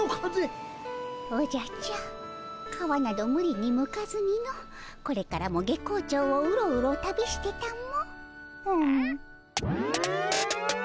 おじゃちゃー皮などむりにむかずにのこれからも月光町をウロウロ旅してたも。